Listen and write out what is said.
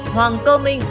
hoàng cơ minh